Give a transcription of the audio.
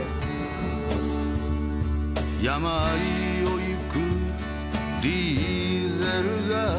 「山間を行くディーゼルが」